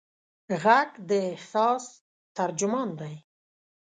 غږ د احساس ترجمان دی.